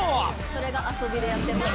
それが遊びでやってた。